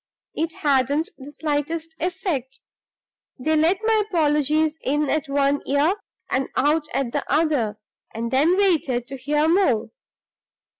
It hadn't the slightest effect; they let my apologies in at one ear and out at the other, and then waited to hear more.